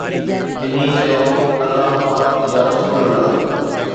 ٻنهي چيو: الله پاڪ يا رسول الله